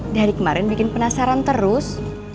dari kemarin bikin penasaran terus